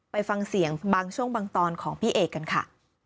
ไปฟังเสียงบางช่วงบางตอนของพี่เอกกันค่ะ